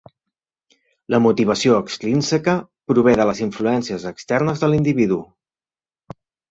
La motivació extrínseca prové de les influències externes de l'individu.